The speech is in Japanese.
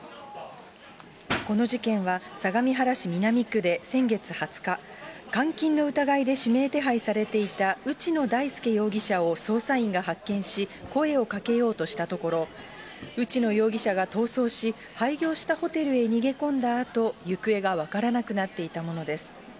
この事件は、相模原市南区で先月２０日、監禁の疑いで指名手配されていた内野大輔容疑者を捜査員が発見し、声をかけようとしたところ、内野容疑者が逃走し、廃業したホテルへ逃げ込んだあと、行方が分からなくなっていたものです。